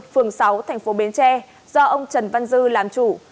phường sáu thành phố bến tre do ông trần văn dư làm chủ